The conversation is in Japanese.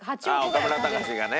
ああ岡村隆史がね。